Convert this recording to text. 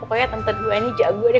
pokoknya tante dua ini jago deh